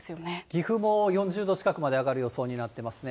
岐阜も４０度近くまで上がる予想になっていますね。